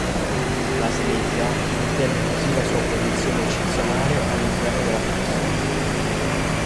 La Slesia mantenne così la sua posizione eccezionale all'interno della Prussia.